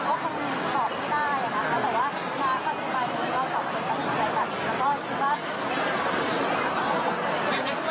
ใช่ค่ะเอาเดี๋ยวพูดก่อนนะคะ